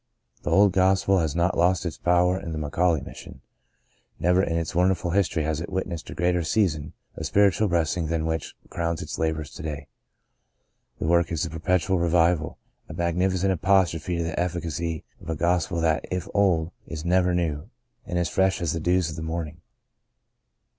The old Gospel has not lost its power in the McAuley Mission. Never in its wonderful The Greatest of These 23 history has it witnessed a greater season of spiritual blessing than that which crowns its labours to day. The work is a perpetual re vival — a magnificent apostrophe to the effi cacy of a Gospel that, if old, is ever new, and as fresh as the dews of the morning.